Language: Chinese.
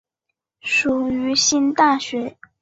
属于新大学。